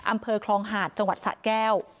อำเภอคลองหาดจังหวัดสะแก้ว